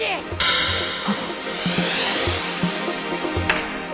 あっ。